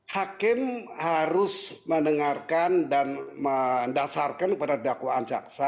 hakim harus mendengarkan dan mendasarkan kepada dakwaan jaksa